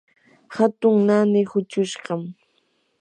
hatun naani huchushqam.